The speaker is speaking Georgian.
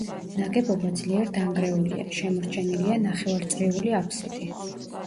ნაგებობა ძლიერ დანგრეულია, შემორჩენილია ნახევარწრიული აფსიდი.